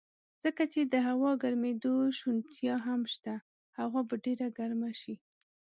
ځکه چې د هوا ګرمېدو شونتیا هم شته، هوا به ډېره ګرمه شي.